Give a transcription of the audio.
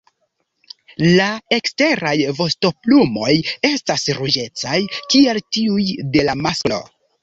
La eksteraj vostoplumoj estas ruĝecaj kiel tiuj de la masklo.